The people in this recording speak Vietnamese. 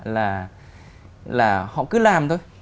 là họ cứ làm thôi